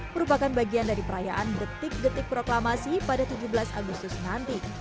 merupakan bagian dari perayaan detik detik proklamasi pada tujuh belas agustus nanti